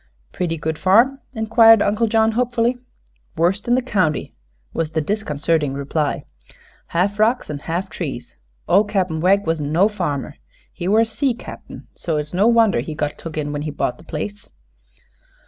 "Pretty good farm?" inquired Uncle John, hopefully. "Worst in the county," was the disconcerting reply. "Half rocks an' half trees. Ol' Cap'n Wegg wasn't no farmer. He were a sea cap'n; so it's no wonder he got took in when he bought the place."